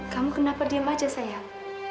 kamu kenapa diem aja sayang